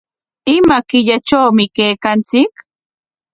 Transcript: ¿Ima killatrawmi kaykanchik?